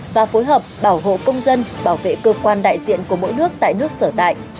và phối hợp bảo hộ công dân bảo vệ cơ quan đại diện của mỗi nước tại nước sở tại